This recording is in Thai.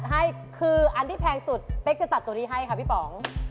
ให้คืออันที่แพงสุดเป๊กจะตัดตัวนี้ให้ค่ะพี่ป๋อง